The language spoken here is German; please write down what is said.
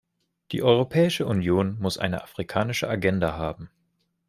Die Europäische Union muss eine afrikanische Agenda haben.